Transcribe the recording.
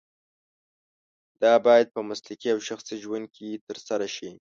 دا باید په مسلکي او شخصي ژوند کې ترسره شي.